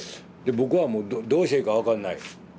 で僕はもうどうしていいか分かんない。